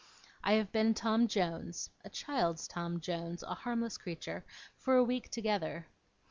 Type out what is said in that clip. I have been Tom Jones (a child's Tom Jones, a harmless creature) for a week together.